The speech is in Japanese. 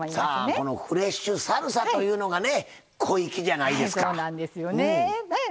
このフレッシュサルサというのが小粋じゃないですか。